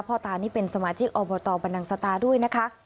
พ่อตานี่เป็นสมาชิกออบอตอบันตังฯสตาด้วยนะคะ